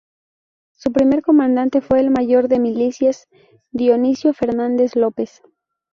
Su primer comandante fue el mayor de milicias Dionisio Fernández López.